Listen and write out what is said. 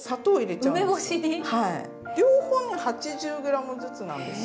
両方ね８０ｇずつなんです。